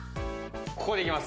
ここで行きます。